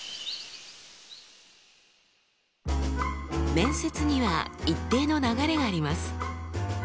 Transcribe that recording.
面接には一定の流れがあります。